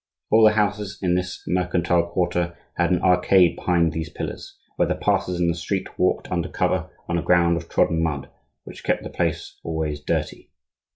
All the houses in this mercantile quarter had an arcade behind these pillars, where the passers in the street walked under cover on a ground of trodden mud which kept the place always dirty.